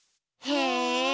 へえ！